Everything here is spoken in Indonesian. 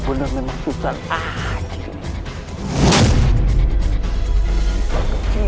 benar benar memang susah